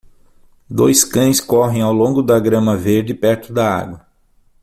Dois cães correm ao longo da grama verde perto da água.